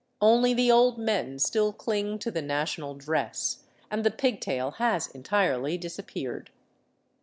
Only the old men still cling to the national dress, and the pigtail has entirely disappeared.